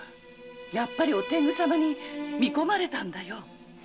やっぱりお天狗様に見込まれたんだよ。